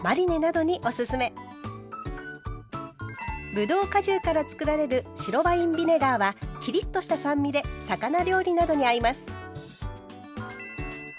ぶどう果汁からつくられる白ワインビネガーはきりっとした酸味で魚料理などに合います。